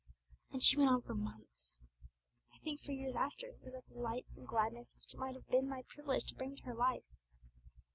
And she went on for months, I think for years, after, without the light and gladness which it might have been my privilege to bring to her life.